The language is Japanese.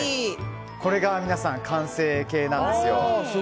これが皆さん完成形なんですよ。